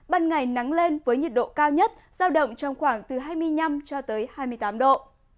ban ngày nắng lên với nhiệt độ cao nhất giao động trong khoảng từ hai mươi năm cho tới hai mươi tám độ